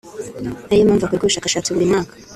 ariyo mpamvu hakorwa ubushakashatsi buri mwaka